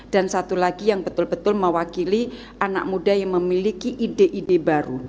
dan satu lagi yang betul betul mewakili anak muda yang memiliki ide ide baru